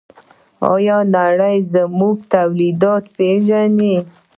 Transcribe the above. آیا نړۍ زموږ تولیدات پیژني؟